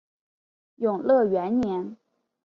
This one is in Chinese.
永乐元年。